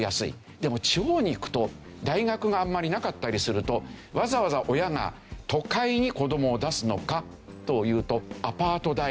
でも地方に行くと大学があんまりなかったりするとわざわざ親が都会に子どもを出すのかというとアパート代。